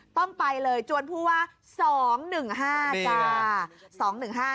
ต้องไปเลยจวนผู้ว่า๒๑๕จ้า